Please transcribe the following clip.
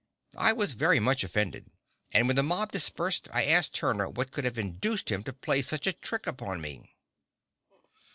I was very much offended, and when the mob dispersed I asked Turner what could have induced him to play such a trick upon me.